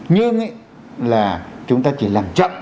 nhưng là chúng ta chỉ làm chậm